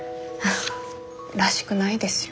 らしくないですよ。